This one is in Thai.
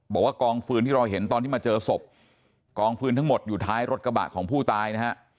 บอกว่ากองฟืนที่เราเห็นตอนที่มาเจอศพกองฟืนทั้งหมดอยู่ท้ายรถกระบะของผู้ตายนะฮะ